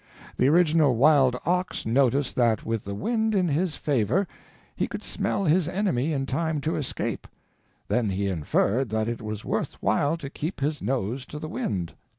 The original wild ox noticed that with the wind in his favor he could smell his enemy in time to escape; then he inferred that it was worth while to keep his nose to the wind.